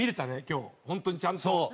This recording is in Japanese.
今日ホントにちゃんと。